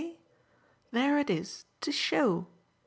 There it is to show.